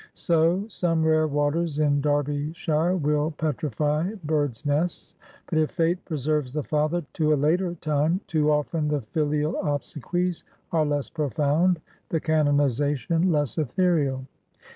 So, some rare waters in Derbyshire will petrify birds' nests. But if fate preserves the father to a later time, too often the filial obsequies are less profound; the canonization less ethereal.